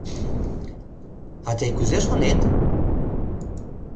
— А тый кузе шонет?